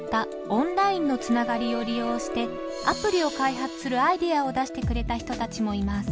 オンラインのつながりを利用してアプリを開発するアイデアを出してくれた人たちもいます。